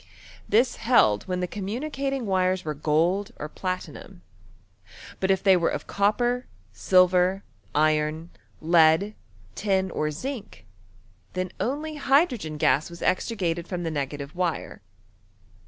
This held when the communi cating wires were gold or platinum; but if they vere of copper, silver, iron, lead, tin, or zinc, then only hydrogen gas was extricated from the negative wire.